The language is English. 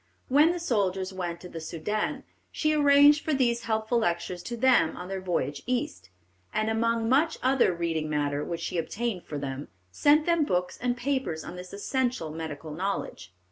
When the soldiers went to the Soudan, she arranged for these helpful lectures to them on their voyage East, and among much other reading matter which she obtained for them, sent them books and papers on this essential medical knowledge.